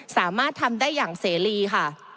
สามารถทำได้อย่างเสรีค่ะ